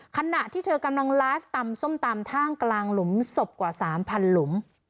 ขณะที่เธอกำลังไลฟ์ตำส้มตำท่ากลางหลุมศพกว่า๓๐๐หลุม